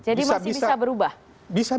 jadi masih bisa berubah